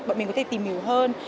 bọn mình có thể tìm hiểu hơn